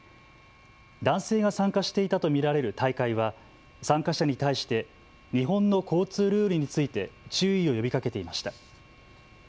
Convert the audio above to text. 男性が参加していたと見られる大会は参加者に対して日本の交通ルールについて注意を呼びかけていました。